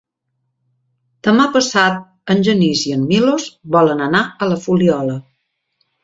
Demà passat en Genís i en Milos volen anar a la Fuliola.